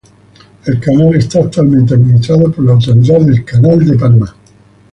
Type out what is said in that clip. El canal está actualmente administrado por la Autoridad del Canal de Panamá.